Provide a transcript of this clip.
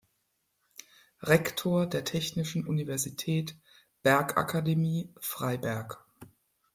Rektor der Technischen Universität Bergakademie Freiberg.